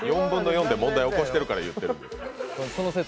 ４分の４で問題を起こしているから言ってるの。